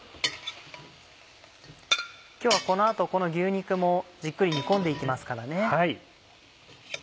今日はこの後この牛肉もじっくり煮込んで行きますからね。